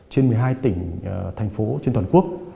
trên một mươi hai tỉnh thành phố trên toàn quốc